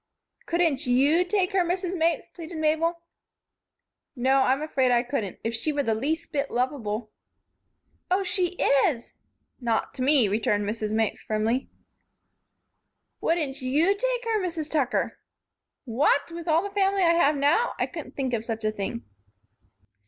"Couldn't you take her, Mrs. Mapes?" pleaded Mabel. "No, I'm afraid I couldn't. If she were the least bit lovable " "Oh, she is " "Not to me," returned Mrs. Mapes, firmly. "Wouldn't you take her, Mrs. Tucker?" "What! With all the family I have now? I couldn't think of such a thing."